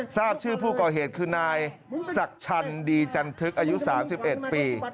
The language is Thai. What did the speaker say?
ทราบชื่อผู้ก่อเหตุคือนายศักดิ์ชันดีจันทึกอายุ๓๑ปี